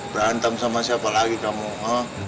berantem sama siapa lagi kamu